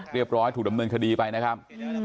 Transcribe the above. เรียบร้อยถูกทำเนินคดีไปนะครับ